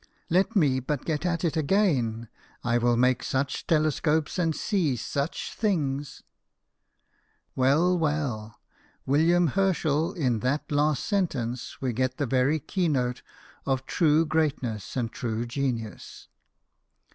Let me but get at it again ! I will make such telescopes and see such things !" Well, well, William Herschel, in that last sentence we get the very keynote of true greatness and true genius.